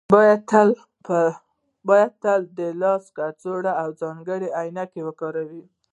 باید تل د لاس کڅوړې او ځانګړې عینکې وکاروئ